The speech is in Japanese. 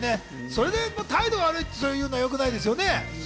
それで態度悪いって言うのは、よくないですよね。